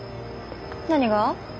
何が？